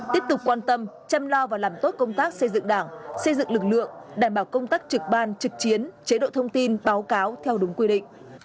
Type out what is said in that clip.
tiếp tục quan tâm chăm lo và làm tốt công tác xây dựng đảng xây dựng lực lượng đảm bảo công tác trực ban trực chiến chế độ thông tin báo cáo theo đúng quy định